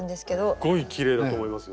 すっごいきれいだと思いますよ。